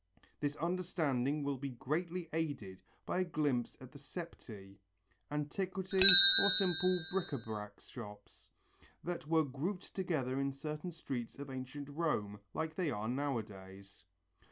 This understanding will be greatly aided by a glimpse at the septæ, antiquity or simple bric à brac shops, that were grouped together in certain streets of ancient Rome like they are nowadays.